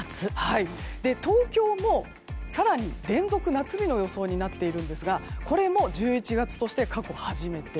東京も更に連続夏日の予想になっているんですがこれも１１月として過去初めて。